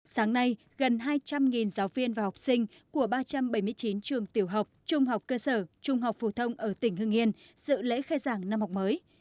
sáng nay gần hai trăm linh giáo viên và học sinh của ba trăm bảy mươi chín trường tiểu học trung học cơ sở trung học phổ thông ở tỉnh hưng yên dự lễ khai giảng năm học mới